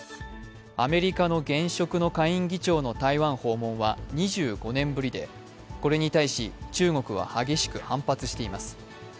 アメリカの現職の下院議長の台湾訪問は２５年ぶりでこれに対し、中国は激しく反発しています。